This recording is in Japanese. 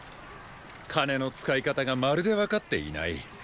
金の使い方がまるで分かっていない。